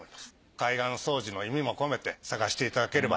海岸掃除の意味も込めて探していただければと。